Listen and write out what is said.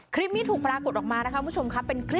ครีปนี้ถูกปรากฏออกมานะครับคุณผู้ชมครับเป็นคลิป